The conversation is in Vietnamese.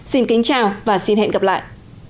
xin kính chào và xin hẹn gặp lại